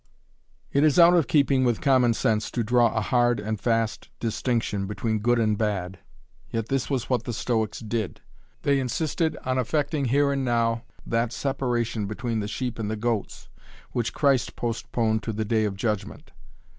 It is out of keeping with common sense to draw a hard and fast distinction between good and bad. Yet this was what the Stoics did. They insisted on effecting here and now that separation between the sheep and the goats, which Christ postponed to the Day of Judgment.